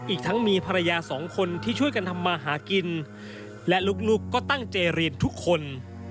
อีกทั้งมีภรรยาสองคนที่ช่วยกันทำมาหากินและลูกก็ตั้งเจรีย์ทุกคน